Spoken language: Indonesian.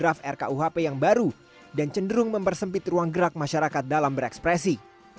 kekhawatiran ini juga muncul dalam draft rkuhp yang baru dan cenderung mempersempit ruang gerak masyarakat dalam berekspresi